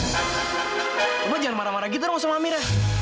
bapak jangan marah marah gitu dong sama amira